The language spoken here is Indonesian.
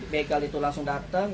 begal itu langsung datang